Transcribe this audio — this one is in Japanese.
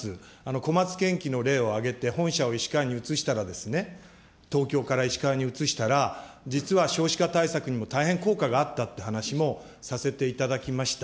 こまつけんきの例を挙げて、本社を石川に移したら、東京から石川に移したら、実は少子化対策にも大変効果があったという話もさせていただきました。